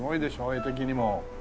画的にも。